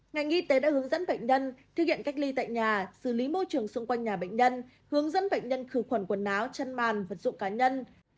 ngành y tế đã hướng dẫn bệnh nhân thực hiện cách ly tại nhà xử lý môi trường xung quanh nhà bệnh nhân hướng dẫn bệnh nhân khử khuẩn quần áo chăn màn vật dụng cá nhân